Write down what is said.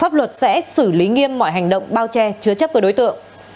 với mọi hành động bao che chứa chấp của đối tượng